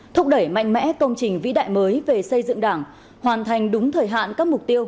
thúc đẩy mạnh mẽ công trình vĩ đại mới về xây dựng đảng hoàn thành đúng thời hạn các mục tiêu